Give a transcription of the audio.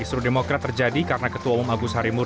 isu demokrat terjadi karena ketua umum agus harimur